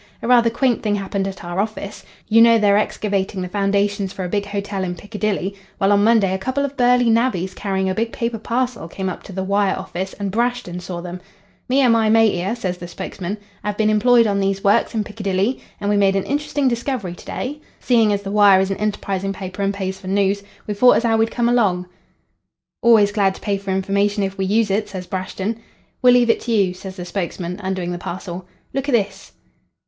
"A rather quaint thing happened at our office. You know they're excavating the foundations for a big hotel in Piccadilly? Well, on Monday a couple of burly navvies, carrying a big paper parcel, came up to the Wire office and Brashton saw them. "'Me an' my mate 'ere,' says the spokesman, ''ave been employed on those works in Piccadilly, and we made an interesting discovery to day. Seeing as the Wire is an enterprising paper an' pays for news, we thought as 'ow we'd come along.' "'Always glad to pay for information if we use it,' says Brashton. "'We'll leave it to you,' says the spokesman, undoing the parcel. 'Look at this.'